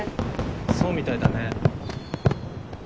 そうみたいだね。